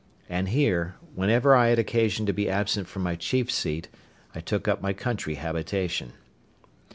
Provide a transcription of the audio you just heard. And here, whenever I had occasion to be absent from my chief seat, I took up my country habitation.